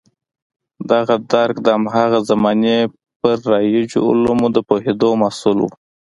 دغه درک د هماغه زمانې پر رایجو علومو د پوهېدو محصول و.